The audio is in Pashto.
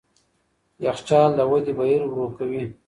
یخچال د ودې بهیر ورو کوي.